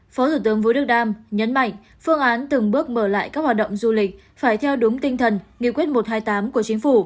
phó thủ tướng vũ đức đam nhấn mạnh phương án từng bước mở lại các hoạt động du lịch phải theo đúng tinh thần